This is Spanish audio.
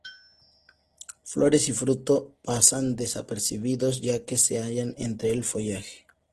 Flores y fruto pasan desapercibidos, ya que se hallan entre el follaje.